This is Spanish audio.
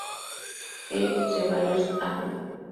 E. Zeballos, Av.